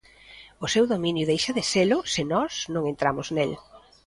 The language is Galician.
O seu dominio deixa de selo se nós non entramos nel.